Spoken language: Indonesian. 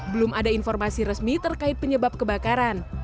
belum ada informasi resmi terkait penyebab kebakaran